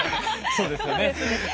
そうですね。